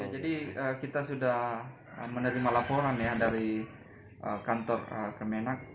jadi kita sudah menerima laporan dari kantor kemenak